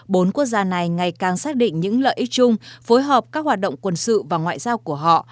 bốn quốc gia này ngày càng xác định những lợi ích chung phối hợp các hoạt động quân sự và ngoại giao của họ